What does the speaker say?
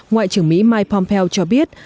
ngoại trưởng mỹ mike pompeo cho biết